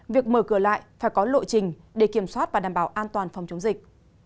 việc mở cửa lại phải có lộ trình để kiểm soát và đảm bảo an toàn phòng chống dịch